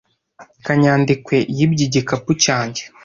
kanyandekwe yibye igikapu cyanjye.